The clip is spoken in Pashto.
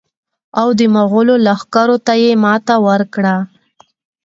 او د مغولو لښکرو ته یې ماته ورکړه.